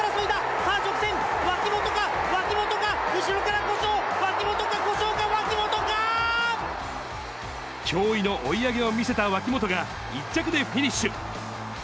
さあ、直線、脇本か、脇本か、後ろから驚異の追い上げを見せた脇本が、１着でフィニッシュ。